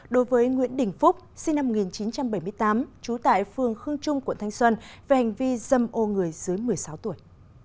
đối với nguyễn đình phúc sinh năm một nghìn chín trăm bảy mươi tám trú tại phường khương trung quận thanh xuân về hành vi dâm ô người dưới một mươi sáu tuổi